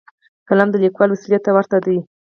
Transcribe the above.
قلم د لیکوال وسلې ته ورته دی.